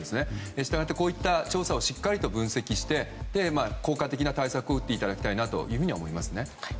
したがって、こういった調査をしっかり分析して効果的な対策を打っていただきたいと思いますね。